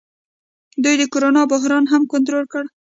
دوی د کرونا بحران هم کنټرول کړ.